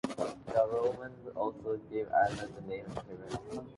The Romans also gave Ireland the name "Hibernia".